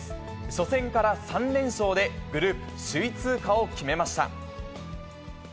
初戦から３連勝でグループ首位通過を決めました。